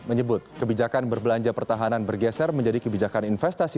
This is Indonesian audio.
hai penyelenggara dan penyelenggara yang berbelanja pertahanan bergeser menjadi kebijakan investasi